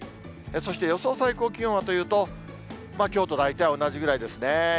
そして、予想最高気温はというと、きょうと大体同じくらいですね。